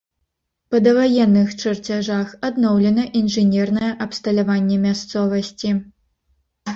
Па даваенных чарцяжах адноўлена інжынернае абсталяванне мясцовасці.